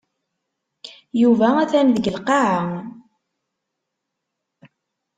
Yuba atan deg lqaɛa.